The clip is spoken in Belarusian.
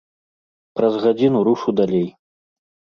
Праз гадзіну рушу далей.